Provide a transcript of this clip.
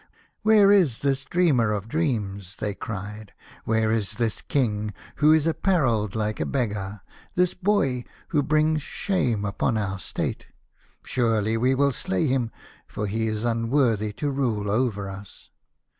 " Where is this dreamer of dreams ?" they cried. " Where is this King, who is apparelled like a beggar — this boy who brings shame upon our state ? Surely we will slay him, for he is unworthy to rule over us."